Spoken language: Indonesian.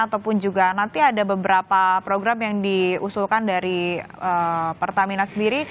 ataupun juga nanti ada beberapa program yang diusulkan dari pertamina sendiri